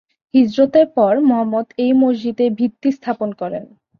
হিজরতের পর মুহাম্মদ এই মসজিদের ভিত্তি স্থাপন করেন।